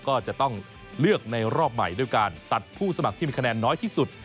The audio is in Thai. ก็จะต้องเลือกในรอบใหม่ด้วยการตัดผู้สมัครที่มีคะแนนน้อยที่สุด